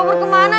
mera mera mera